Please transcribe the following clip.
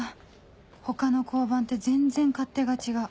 他の交番って全然勝手が違う